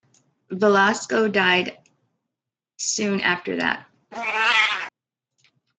Velasco died soon after that.